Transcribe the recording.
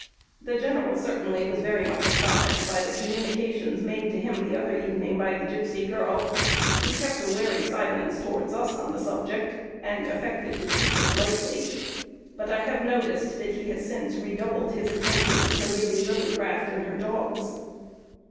The general certainly was very much astonished by the communications made to him the other evening by the gipsy girl: he kept a wary silence towards us on the subject, and affected to treat it lightly; but I have noticed that he has since redoubled his attentions to Lady Lillycraft and her dogs.